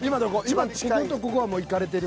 今こことここはもう行かれてる。